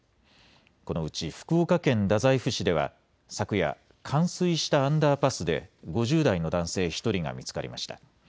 このうち福岡県太宰府市では昨夜、冠水したアンダーパスで５０代の男性１人が見つかりました。